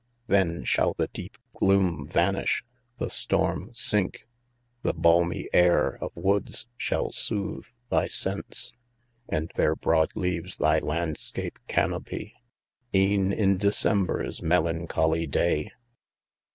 Then shall the deep gloom vanish, the storm sink ! The balmy air of woods shall soothe thy sense. And their broad leaves thy landscape canopy. E'en in December's melancholy day